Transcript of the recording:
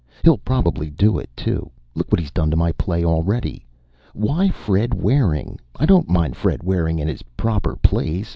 He'll probably do it, too. Look what he's done to my play already. Why Fred Waring? I don't mind Fred Waring in his proper place.